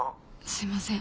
すいません